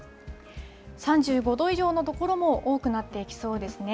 ３５度以上のところも多くなっていきそうですね。